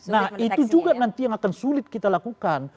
nah itu juga nanti yang akan sulit kita lakukan